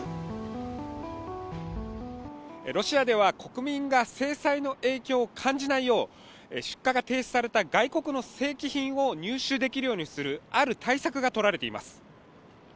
ロシアでは、国民が制裁の影響を感じないよう出荷が停止された外国の正規品を入手できるようにする、ある対策が取られています。